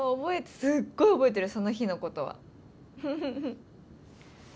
すごい覚えてるその日のことは。